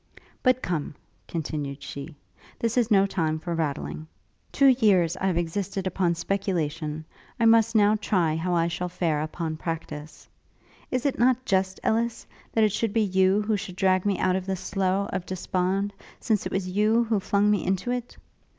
'But come,' continued she, 'this is no time for rattling. Two years I have existed upon speculation; I must now try how I shall fare upon practice. Is it not just, Ellis, that it should be you who should drag me out of the slough of despond, since it was you who flung me into it?